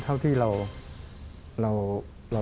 เท่าที่เรา